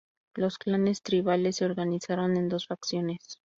Los clanes tribales se organizaron en dos facciones.